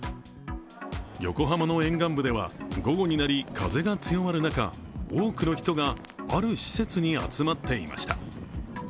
横浜の沿岸部では、午後になり、風が強まる中、多くの人がある施設に集まっていました。